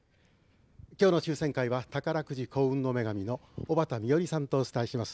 今日の抽せん会は宝くじ「幸運の女神」の小畑実織さんと一緒にお伝えします。